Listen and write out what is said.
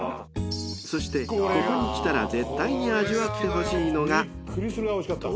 ［そしてここに来たら絶対に味わってほしいのが］